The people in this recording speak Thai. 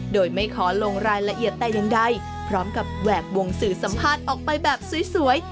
โดยไม่ขอลงรายละเอียดแต่อย่างใดพร้อมกับแหวกวงสื่อสัมภาษณ์ออกไปแบบสวย